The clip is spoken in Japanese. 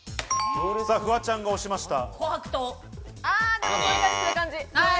フワちゃんが押しました。